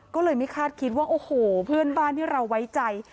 ก็เลยไม่คาดคิดว่าโอ้โหเพื่อนบ้านที่เราไว้ใจ